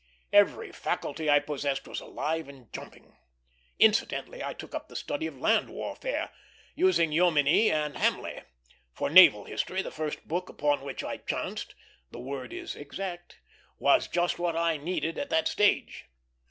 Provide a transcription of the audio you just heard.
Every faculty I possessed was alive and jumping. Incidentally, I took up the study of land warfare, using Jomini and Hamley. For naval history the first book upon which I chanced the word is exact was just what I needed at that stage.